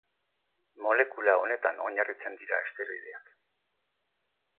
Molekula honetan oinarritzen dira esteroideak.